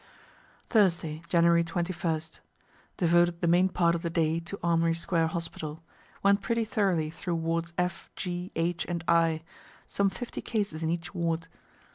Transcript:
Thursday, Jan. 21. Devoted the main part of the day to Armory square hospital; went pretty thoroughly through wards F, G, H, and I; some fifty cases in each ward.